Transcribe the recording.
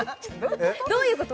どういうこと？